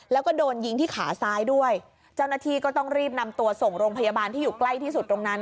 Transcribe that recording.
แล้วก็โดนยิงที่ขาซ้ายด้วยเจ้าหน้าที่ก็ต้องรีบนำตัวส่งโรงพยาบาลที่อยู่ใกล้ที่สุดตรงนั้น